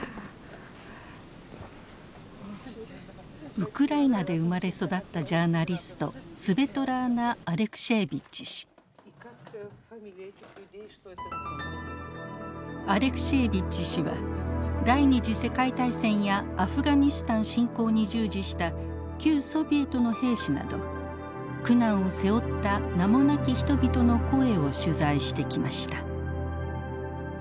ウクライナで生まれ育ったジャーナリストアレクシエービッチ氏は第ニ次世界大戦やアフガニスタン侵攻に従事した旧ソビエトの兵士など苦難を背負った名もなき人々の声を取材してきました。